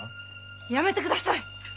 やめてください！